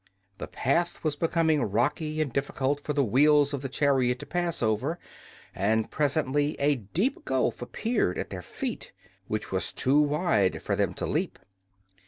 The path was becoming rocky and difficult for the wheels of the chariot to pass over, and presently a deep gulf appeared at their feet which was too wide for them to leap.